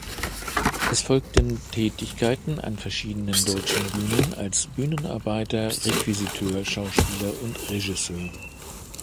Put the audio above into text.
Es folgten Tätigkeiten an verschiedenen deutschen Bühnen als Bühnenarbeiter, Requisiteur, Schauspieler und Regisseur.